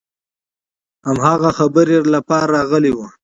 هماغه خبرې لپاره راغلي وو.